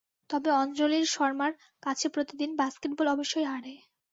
তবে অঞ্জলির শর্মার কাছে প্রতিদিন বাস্কেটবল অবশ্যই হারে।